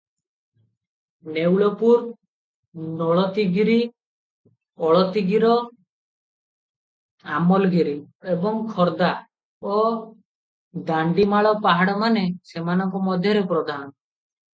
ନେଉଳପୁର, ନଳତୀଗିରି, ଅଳତୀଗିର, ଆଲମଗିରି ଏବଂ ଖୋର୍ଦ୍ଧା ଓ ଦାଣ୍ଡିମାଳ ପାହାଡ଼ମାନ ସେମାନଙ୍କ ମଧ୍ୟରେ ପ୍ରଧାନ ।